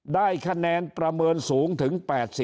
ได้คะแนนประเมินสูงถึง๘๐